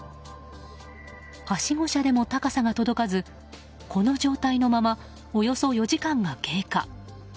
はしご車でも高さが届かずこの状態のままおよそ４時間が経過。